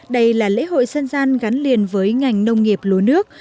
đây là lễ hội dân gian gắn liền với ngành nông nghiệp lúa nước